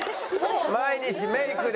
毎日メイクで。